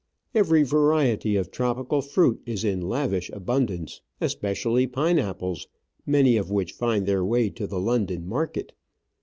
Every variety of tropical fruit is in lavish abundance, especially pine apples, many of which find their way to the London market.